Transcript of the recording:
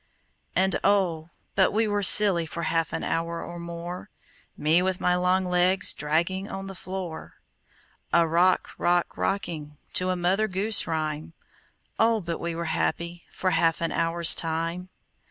And, oh, but we were silly For half an hour or more, Me with my long legs Dragging on the floor, A rock rock rocking To a mother goose rhyme! Oh, but we were happy For half an hour's time!